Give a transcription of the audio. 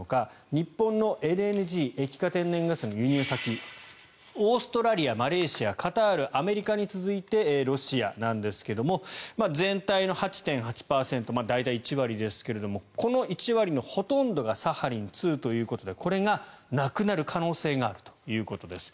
日本のＬＮＧ・液化天然ガスの輸入先オーストラリア、マレーシアカタール、アメリカに続いてロシアなんですが全体の８．８％大体１割ですけれどもこの１割のほとんどがサハリン２ということでこれがなくなる可能性があるということです。